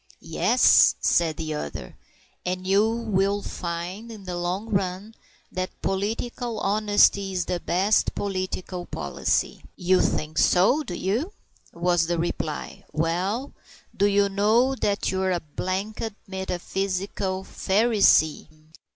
"Yes," said the other; "and you will find, in the long run, that political honesty is the best political policy." "You think so, do you?" was the reply. "Well, do you know that you're a blanked metaphysical Pharisee?"